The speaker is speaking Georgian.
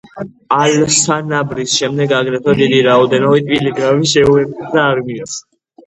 ალ-სანაბრის შემდეგ, აგრეთვე დიდი რაოდენობით პილიგრიმი შეუერთდა არმიას.